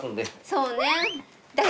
そうね。